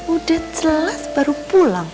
udah jelas baru pulang